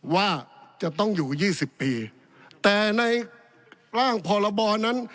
ว่าจะต้องอยู่๒๐ปีแต่ในร่างพรบอนั้น